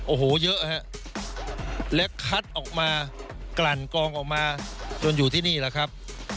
โอ้โหเยอะฮะและคัดออกมากลั่นกองออกมาจนอยู่ที่นี่แหละครับ